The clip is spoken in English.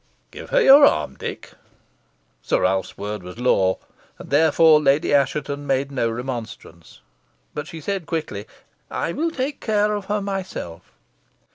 Give her your arm, Dick." Sir Ralph's word was law, and therefore Lady Assheton made no remonstrance. But she said quickly, "I will take care of her myself."